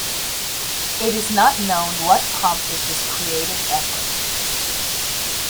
It is not known what prompted this creative effort.